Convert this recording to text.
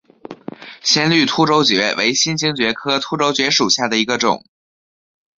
鲜绿凸轴蕨为金星蕨科凸轴蕨属下的一个种。